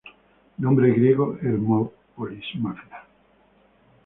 Nombre griego: Hermópolis Magna.